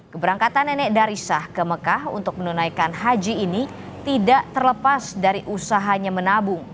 keberangkatan nenek dari sah ke mekah untuk menunaikan haji ini tidak terlepas dari usahanya menabung